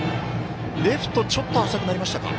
レフトちょっと浅くなりましたか。